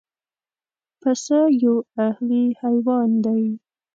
پسه یو اهلي حیوان دی.